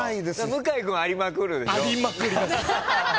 向井君ありまくるでしょ？